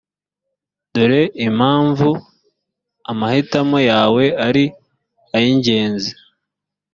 dore impamvu amahitamo yawe ari ay’ingenzi